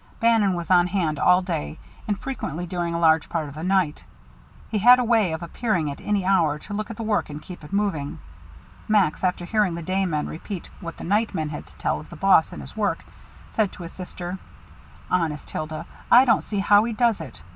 Bannon was on hand all day, and frequently during a large part of the night. He had a way of appearing at any hour to look at the work and keep it moving. Max, after hearing the day men repeat what the night men had to tell of the boss and his work, said to his sister: "Honest, Hilda, I don't see how he does it.